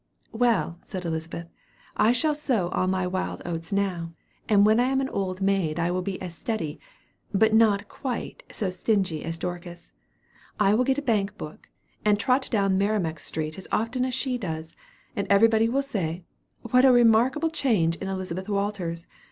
"Well," said Elizabeth, "I shall sow all my wild oats now, and when I am an old maid I will be as steady, but not quite so stingy as Dorcas. I will get a bank book, and trot down Merrimack street as often as she does, and everybody will say, 'what a remarkable change in Elizabeth Walters!